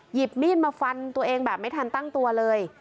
หยิบมีดมาฟันตัวเองแบบไม่ทันตั้งตัวเลย